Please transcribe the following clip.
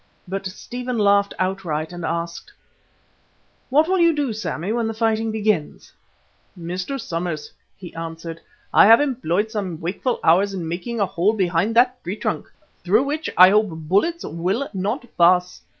But Stephen laughed outright and asked: "What will you do, Sammy, when the fighting begins?" "Mr. Somers," he answered, "I have employed some wakeful hours in making a hole behind that tree trunk, through which I hope bullets will not pass.